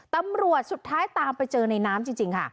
ตำรวจสุดท้ายตามไปเจอในน้ำจริงค่ะ